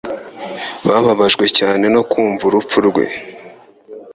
Bababajwe cyane no kumva urupfu rwe.